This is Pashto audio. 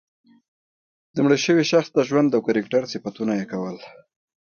د مړه شوي شخص د ژوند او کرکټر صفتونه یې کول.